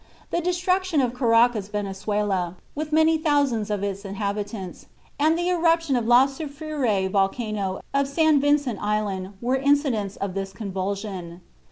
The destruction of Caracas, Venezuela, with many thousands of its inhabitants, and the eruption of La Soufriere volcano of St. Vincent Island were incidents of this convulsion.